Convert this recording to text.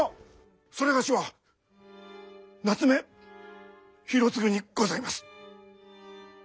某は夏目広次にございます。